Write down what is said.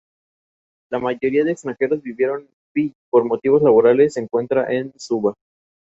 Estos datos pueden provenir de distintas fuentes, siendo la principal un ser humano.